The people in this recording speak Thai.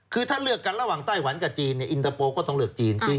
คือถ้าเลือกกันระหว่างไต้หวันกับจีนอินเตอร์โปร์ก็ต้องเลือกจีน